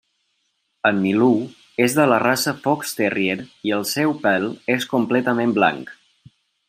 En Milú és de la raça Fox terrier i el seu pèl és completament blanc.